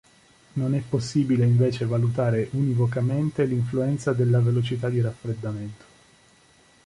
Non è possibile invece valutare univocamente l'influenza della velocità di raffreddamento.